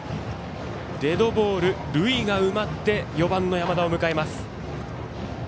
デッドボール、塁が埋まって４番の山田を迎えます。